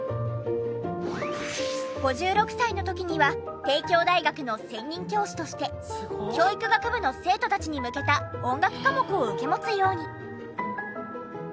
５６歳の時には帝京大学の専任教師として教育学部の生徒たちに向けた音楽科目を受け持つように。